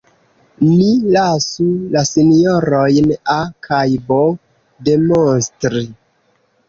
Ni lasu la sinjorojn A kaj B demonstri.